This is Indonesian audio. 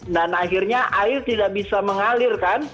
dan akhirnya air tidak bisa mengalir kan